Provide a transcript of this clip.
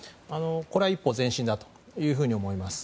これは一歩前進だと思います。